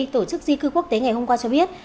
tổ chức di cư quốc tế ngày hôm qua cho biết